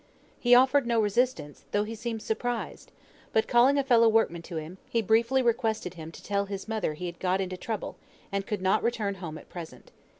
He offered no resistance, though he seemed surprised; but calling a fellow workman to him, he briefly requested him to tell his mother he had got into trouble, and could not return home at present.